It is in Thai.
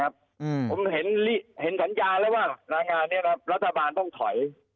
ผมเห็นสัญญาแล้วว่ารายงานนี้รัฐบาลต้องถอย